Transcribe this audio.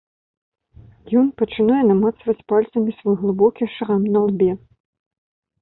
Ён пачынае намацваць пальцамі свой глыбокі шрам на лбе.